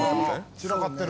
散らかってる。